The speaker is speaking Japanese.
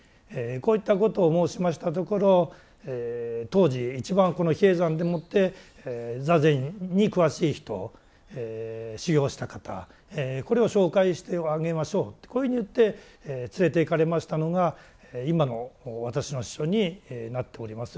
こういったことを申しましたところ当時一番この比叡山でもって座禅に詳しい人修行した方これを紹介してあげましょうってこういうふうに言って連れて行かれましたのが今の私の師匠になっております